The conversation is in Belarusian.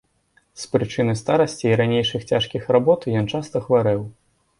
З прычыны старасці і ранейшых цяжкіх работ, ён часта хварэў.